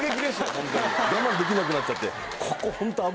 ホントに我慢できなくなっちゃって。